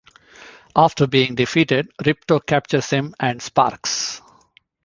After being defeated, Ripto captures him and Sparx.